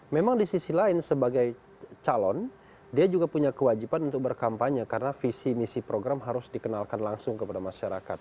memang di sisi lain sebagai calon dia juga punya kewajiban untuk berkampanye karena visi misi program harus dikenalkan langsung kepada masyarakat